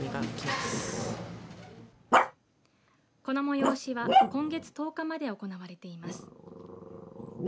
この催しは今月１０日まで行われています。